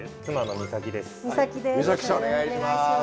妻の美咲です。